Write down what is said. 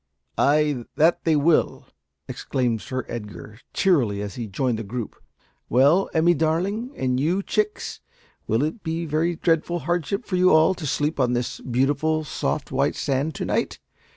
"Ay, that they will!" exclaimed Sir Edgar, cheerily, as he joined the group. "Well, Emmie darling and you, chicks will it be a very dreadful hardship for you all to sleep on this beautiful, soft, white sand to night?